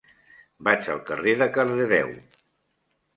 Vaig al carrer de Cardedeu.